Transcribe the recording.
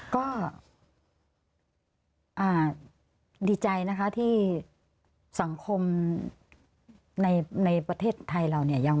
ก็ดีใจนะคะที่สังคมในประเทศไทยเราเนี่ย